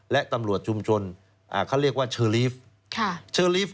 และตำรวจชุมชนเขาเรียกว่าเชอรีฟเชอลีฟ